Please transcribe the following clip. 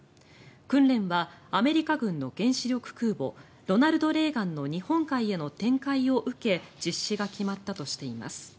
訓練は、アメリカ軍の原子力空母「ロナルド・レーガン」の日本海への展開を受け実施が決まったとしています。